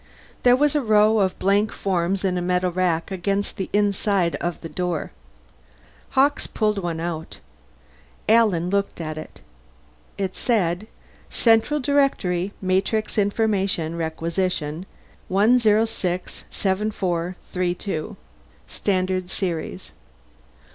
There was a row of blank forms in a metal rack against the inside of the door. Hawkes pulled one out. Alan looked at it. It said, CENTRAL DIRECTORY MATRIX INFORMATION REQUISITION 1067432. STANDARD SERIES.